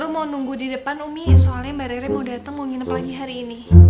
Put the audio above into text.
lu mau nunggu di depan umi soalnya mbak rere mau datang mau nginep lagi hari ini